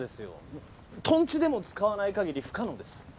もうとんちでも使わない限り不可能です。